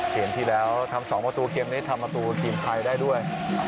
เห็นที่แล้วทำ๒ประตูเกมได้ทำประตูกับกลิ่นไพได้ด้วย